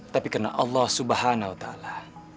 tapi karena allah subhanahu wa ta'ala